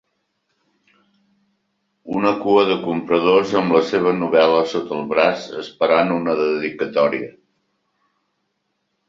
Una cua de compradors amb la seva novel·la sota el braç esperant una dedicatòria.